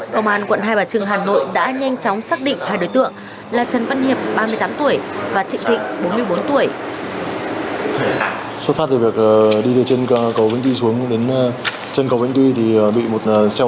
công an quận hai bà trưng hà nội đã nhanh chóng xác định hai đối tượng là trần văn hiệp ba mươi tám tuổi và trịnh thịnh bốn mươi bốn tuổi